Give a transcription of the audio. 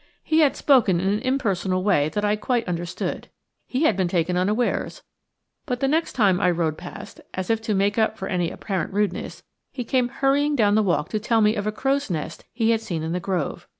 He had spoken in an impersonal way that I quite understood, he had been taken unawares, but the next time I rode past, as if to make up for any apparent rudeness, he came hurrying down the walk to tell me of a crow's nest he had seen in the grove.